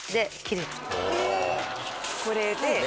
これで。